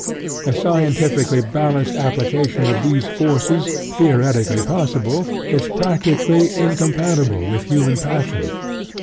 A scientifically balanced application of these forces, theoretically possible, is practically incompatible with human passion.